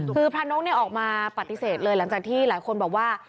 คือพระนกออกมาปฏิเสธเลยหลังจากที่หลายคนบอกว่า